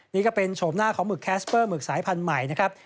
นี่ก็เป็นโฉมหน้าของหมึกแคสเปอร์หมึกสายพันธุ์ใหม่นะครับ